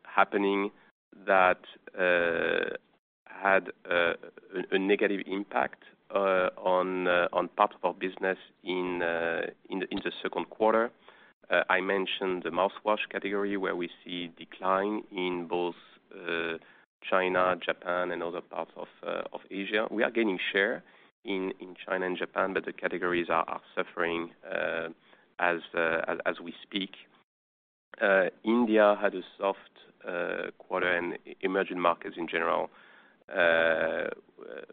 happening that had a negative impact on parts of our business in the second quarter. I mentioned the mouthwash category, where we see decline in both China, Japan, and other parts of Asia. We are gaining share in China and Japan, but the categories are suffering as we speak. India had a soft quarter in emerging markets in general.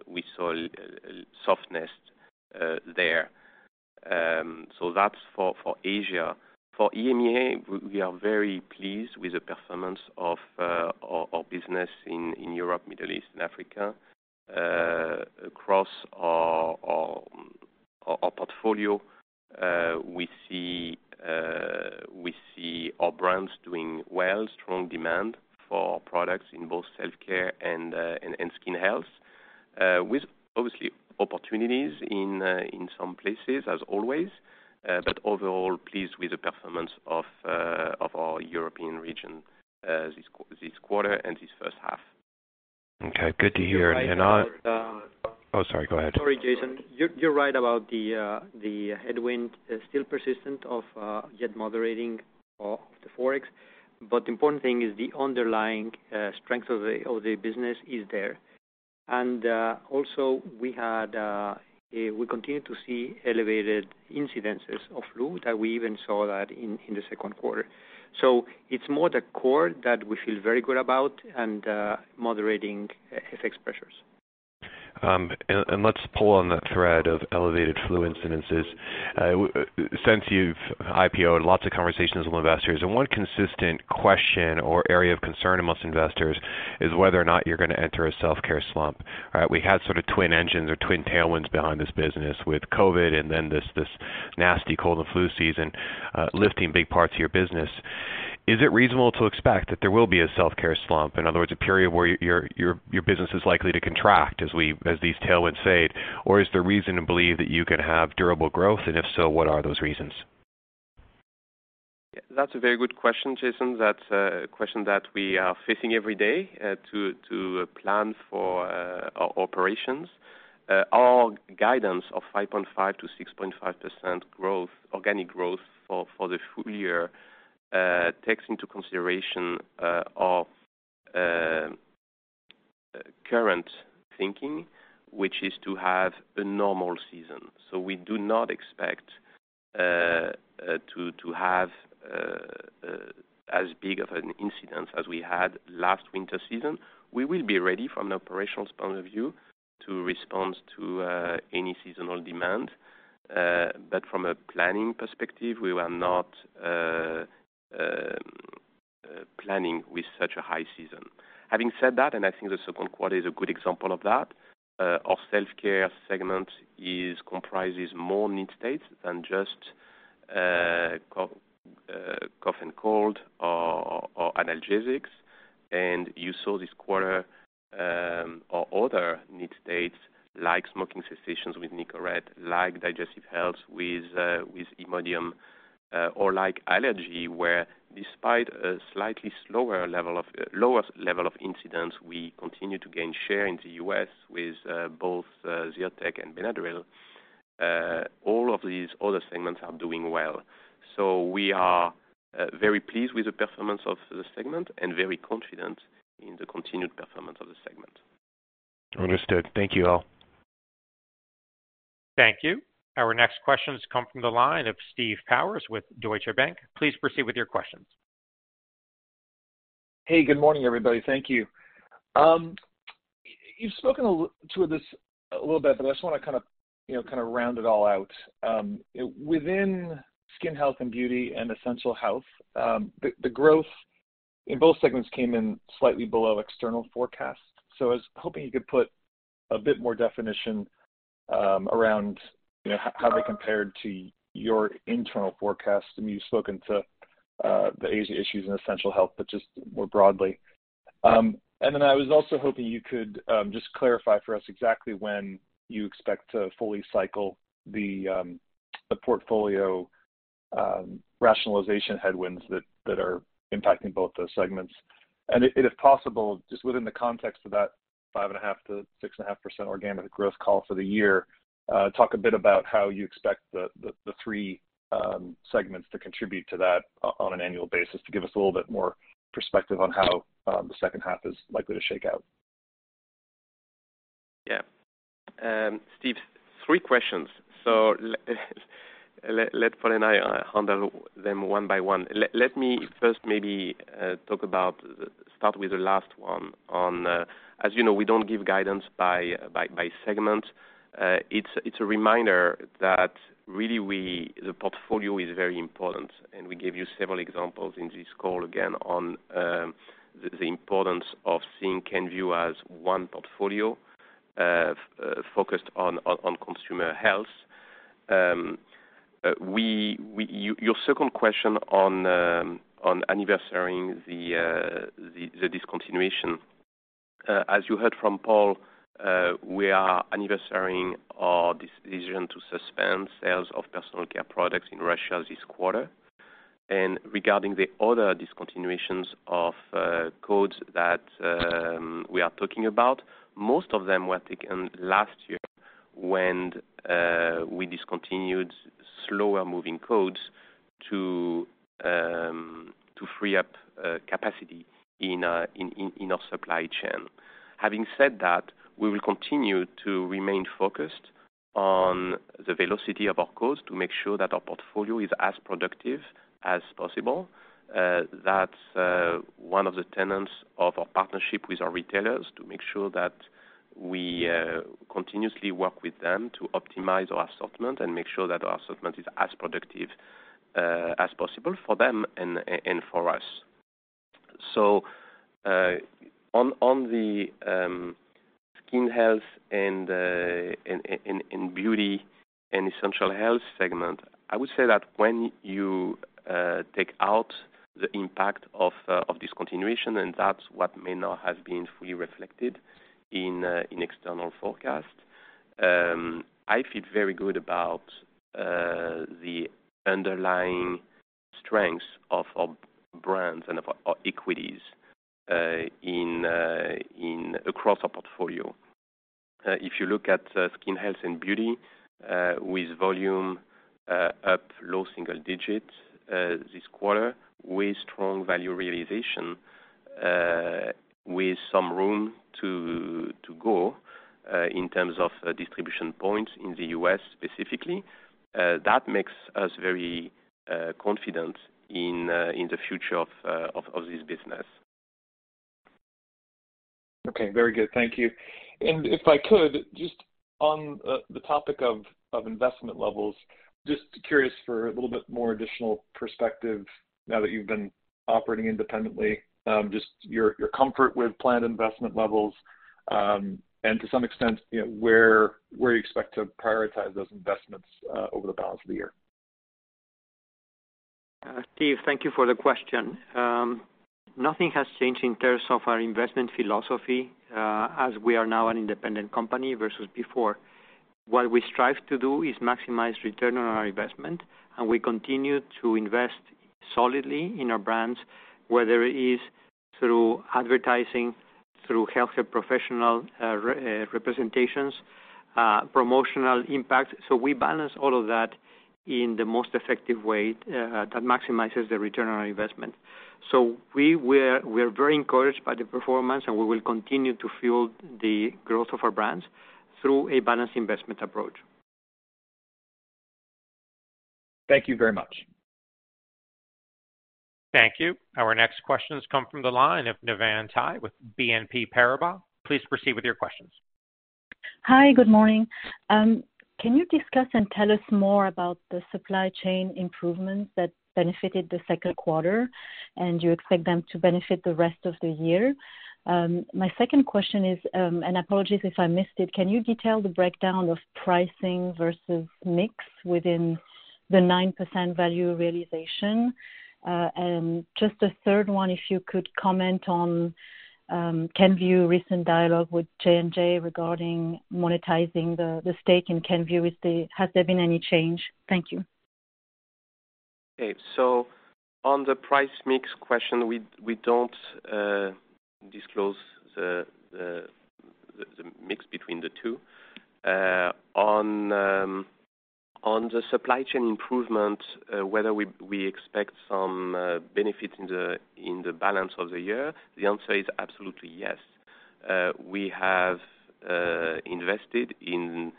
We saw a softness there. That's for Asia. For EMEA, we are very pleased with the performance of our business in Europe, Middle East, and Africa. Across our portfolio, we see our brands doing well, strong demand for products in both self-care and skin health, with obviously opportunities in some places, as always, but overall, pleased with the performance of our European region this quarter and this first half. Okay, good to hear. Uh. Oh, sorry, go ahead. Sorry, Jason. You're right about the headwind is still persistent of yet moderating of the Forex. The important thing is the underlying strength of the business is there. And also we had, we continue to see elevated incidences of flu, that we even saw that in the second quarter. It's more the core that we feel very good about and moderating FX pressures. Let's pull on that thread of elevated flu incidences. Since you've IPO'd, lots of conversations with investors, one consistent question or area of concern amongst investors is whether or not you're going to enter a self-care slump, right? We had sort of twin engines or twin tailwinds behind this business with COVID and then this nasty cold and flu season, lifting big parts of your business. Is it reasonable to expect that there will be a self-care slump, in other words, a period where your business is likely to contract as these tailwinds fade? Is there reason to believe that you can have durable growth, and if so, what are those reasons? That's a very good question, Jason. That's a question that we are facing every day to plan for our operations. Our guidance of 5.5%-6.5% growth, organic growth for the full year takes into consideration of current thinking, which is to have a normal season. We do not expect to have as big of an incident as we had last winter season. We will be ready from an operational point of view, to respond to any seasonal demand. From a planning perspective, we were not planning with such a high season. Having said that, and I think the second quarter is a good example of that, our self-care segment is comprises more need states than just cough and cold or analgesics. You saw this quarter, our other need states, like smoking cessations with Nicorette, like digestive health with Imodium, or like allergy, where despite a slightly slower lower level of incidence, we continue to gain share in the U.S. with both Zyrtec and Benadryl. All of these other segments are doing well. We are very pleased with the performance of the segment and very confident in the continued performance of the segment. Understood. Thank you all. Thank you. Our next question has come from the line of Steve Powers with Deutsche Bank. Please proceed with your questions. Hey, good morning, everybody. Thank you. You've spoken to this a little bit, but I just want to kind of, you know, round it all out. Within skin health and beauty and essential health, the growth in both segments came in slightly below external forecasts. I was hoping you could put a bit more definition around, you know, how they compared to your internal forecast. I mean, you've spoken to the Asia issues in essential health, but just more broadly. I was also hoping you could just clarify for us exactly when you expect to fully cycle the portfolio rationalization headwinds that are impacting both those segments. If possible, just within the context of that 5.5%-6.5% organic growth call for the year, talk a bit about how you expect the three segments to contribute to that on an annual basis, to give us a little bit more perspective on how the second half is likely to shake out. Yeah. Steve, three questions. Let Paul and I handle them one by one. Let me first maybe talk about, start with the last one on. As you know, we don't give guidance by segment. It's a reminder that really, we, the portfolio is very important, and we gave you several examples in this call, again, on the importance of seeing Kenvue as one portfolio focused on consumer health. We, your second question on anniversarying the discontinuation. As you heard from Paul, we are anniversarying our decision to suspend sales of personal care products in Russia this quarter. Regarding the other discontinuations of codes that we are talking about, most of them were taken last year when we discontinued slower moving codes to free up capacity in our supply chain. Having said that, we will continue to remain focused on the velocity of our codes to make sure that our portfolio is as productive as possible. That's one of the tenants of our partnership with our retailers, to make sure that we continuously work with them to optimize our assortment and make sure that our assortment is as productive as possible for them and for us. On the skin health and beauty and essential health segment, I would say that when you take out the impact of discontinuation, and that's what may not have been fully reflected in external forecasts, I feel very good about the underlying strengths of our brands and of our equities across our portfolio. If you look at skin health and beauty, with volume up low single digits this quarter, with strong value realization, with some room to go in terms of distribution points in the U.S. specifically, that makes us very confident in the future of this business. Okay, very good. Thank you. If I could, just on the topic of investment levels, just curious for a little bit more additional perspective now that you've been operating independently, just your comfort with planned investment levels, and to some extent, you know, where you expect to prioritize those investments over the balance of the year. Steve, thank you for the question. Nothing has changed in terms of our investment philosophy, as we are now an independent company versus before. What we strive to do is maximize return on our investment, and we continue to invest solidly in our brands, whether it is through advertising, through healthcare professional representations, promotional impact. We balance all of that in the most effective way that maximizes the return on investment. We are very encouraged by the performance, and we will continue to fuel the growth of our brands through a balanced investment approach. Thank you very much. Thank you. Our next questions come from the line of Navann Ty with BNP Paribas. Please proceed with your questions. Hi, good morning. Can you discuss and tell us more about the supply chain improvements that benefited the second quarter, and you expect them to benefit the rest of the year? My second question is, apologies if I missed it, can you detail the breakdown of pricing versus mix within the 9% value realization? Just a third one, if you could comment on Kenvue recent dialogue with J&J regarding monetizing the stake in Kenvue. Has there been any change? Thank you. Okay. On the price mix question, we don't disclose the mix between the two. On the supply chain improvement, whether we expect some benefit in the balance of the year, the answer is absolutely yes. We have invested in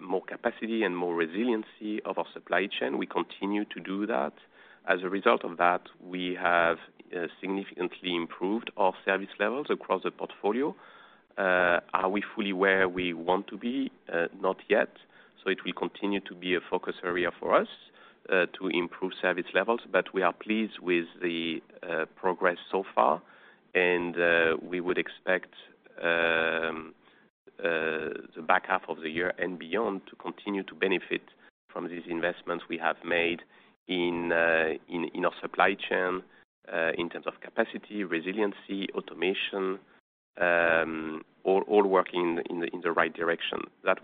more capacity and more resiliency of our supply chain. We continue to do that. As a result of that, we have significantly improved our service levels across the portfolio. Are we fully where we want to be? Not yet. It will continue to be a focus area for us to improve service levels. We are pleased with the progress so far, and we would expect the back half of the year and beyond to continue to benefit from these investments we have made in our supply chain in terms of capacity, resiliency, automation, all working in the right direction. That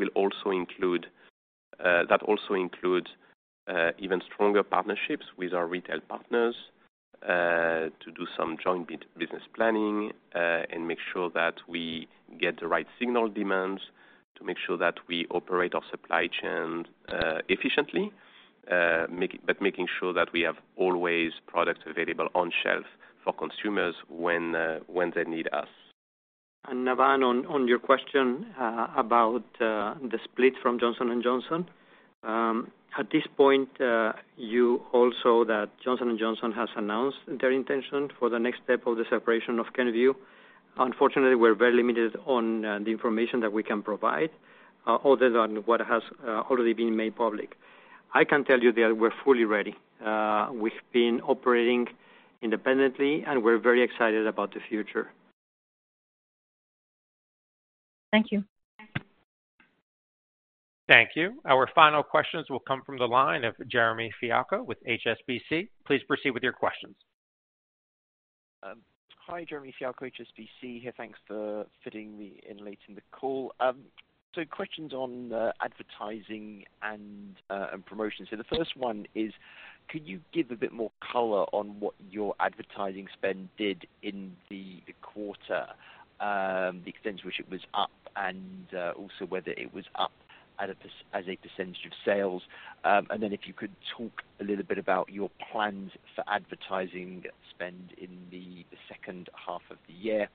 also includes even stronger partnerships with our retail partners to do some joint business planning and make sure that we get the right signal demands to make sure that we operate our supply chain efficiently, make it, but making sure that we have always products available on shelf for consumers when they need us. Navann, on your question about the split from Johnson & Johnson, at this point, you also that Johnson & Johnson has announced their intention for the next step of the separation of Kenvue. Unfortunately, we're very limited on the information that we can provide other than what has already been made public. I can tell you that we're fully ready. We've been operating independently, and we're very excited about the future. Thank you. Thank you. Our final questions will come from the line of Jeremy Fialko with HSBC. Please proceed with your questions. Hi, Jeremy Fialko, HSBC here. Thanks for fitting me in late in the call. Questions on advertising and promotions. The first one is, could you give a bit more color on what your advertising spend did in the quarter, the extent to which it was up, and also whether it was up as a percentage of sales? If you could talk a little bit about your plans for advertising spend in the second half of the year.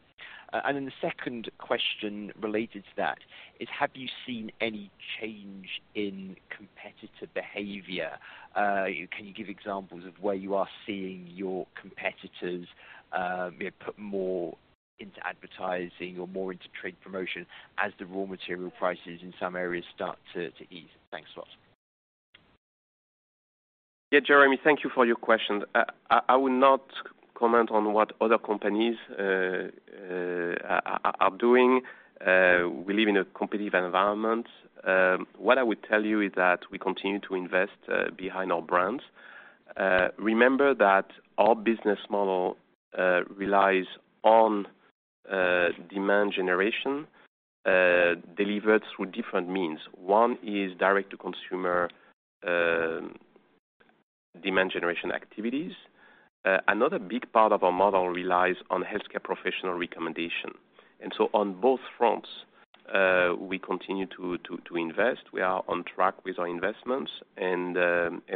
The second question related to that is, have you seen any change in competitor behavior? Can you give examples of where you are seeing your competitors put more into advertising or more into trade promotion as the raw material prices in some areas start to ease? Thanks a lot. Yeah, Jeremy, thank you for your question. I would not comment on what other companies are doing. We live in a competitive environment. What I would tell you is that we continue to invest behind our brands. Remember that our business model relies on demand generation delivered through different means. One is direct to consumer demand generation activities. Another big part of our model relies on healthcare professional recommendation. On both fronts, we continue to invest. We are on track with our investments, and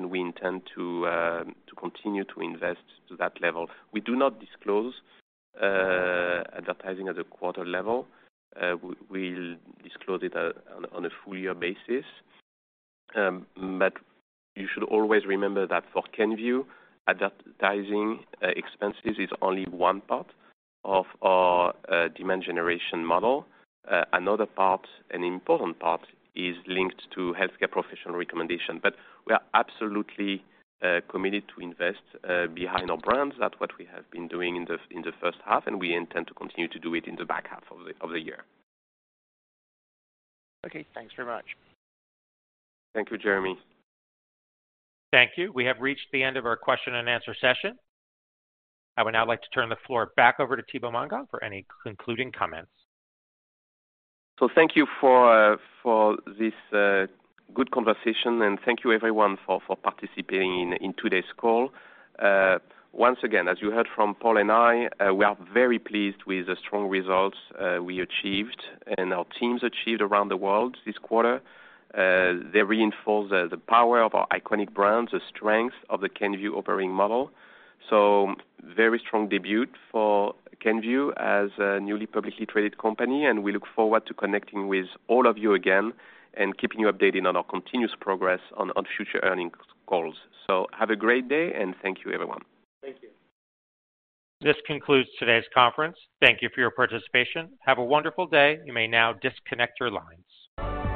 we intend to continue to invest to that level. We do not disclose advertising at a quarter level. We'll disclose it on a full year basis. You should always remember that for Kenvue, advertising expenses is only one part of our demand generation model. Another part, an important part, is linked to healthcare professional recommendation. We are absolutely committed to invest behind our brands. That's what we have been doing in the first half, and we intend to continue to do it in the back half of the year. Okay, thanks very much. Thank you, Jeremy. Thank you. We have reached the end of our question and answer session. I would now like to turn the floor back over to Thibaut Mongon for any concluding comments. Thank you for this good conversation, and thank you everyone for participating in today's call. Once again, as you heard from Paul and I, we are very pleased with the strong results we achieved and our teams achieved around the world this quarter. They reinforce the power of our iconic brands, the strength of the Kenvue operating model. Very strong debut for Kenvue as a newly publicly traded company, and we look forward to connecting with all of you again and keeping you updated on our continuous progress on future earnings calls. Have a great day, and thank you, everyone. Thank you. This concludes today's conference. Thank you for your participation. Have a wonderful day. You may now disconnect your lines.